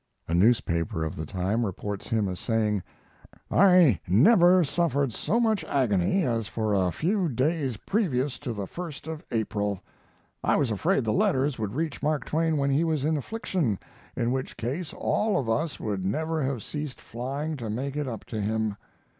A newspaper of the time reports him as saying: I never suffered so much agony as for a few days previous to the 1st of April. I was afraid the letters would reach Mark when he was in affliction, in which case all of us would never have ceased flying to make it up to him.